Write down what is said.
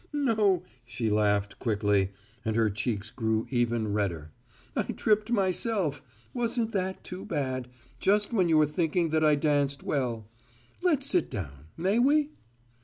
"No," she laughed, quickly, and her cheeks grew even redder. "I tripped myself. Wasn't that too bad just when you were thinking that I danced well! Let's sit down. May we?"